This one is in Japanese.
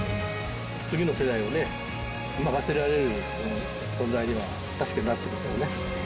次の世代をね任せられる存在には確かになってますよね。